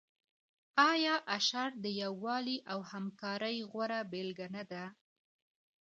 آیا اشر د یووالي او همکارۍ غوره بیلګه نه ده؟